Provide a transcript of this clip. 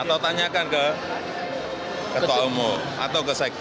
atau tanyakan ke ketua umur atau ke sekje